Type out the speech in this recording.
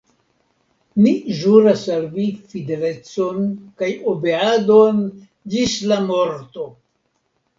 Ni ĵuras al vi fidelecon kaj obeadon ĝis la morto!